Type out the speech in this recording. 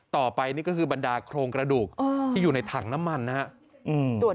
ต่อไปนี่ก็คือบรรดาโครงกระดูกที่อยู่ในถังน้ำมันนะครับ